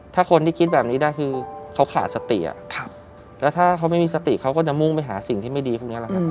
ถ้าคนที่คิดแบบนี้ได้คือเขาขาดสติแล้วถ้าเขาไม่มีสติเขาก็จะมุ่งไปหาสิ่งที่ไม่ดีพวกนี้แหละครับ